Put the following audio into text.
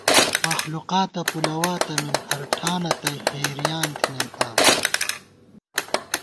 مخلُوقاتہ پُلَوا تَمېم ہر ٹھانہ تئ حیریان تھنَئیم آں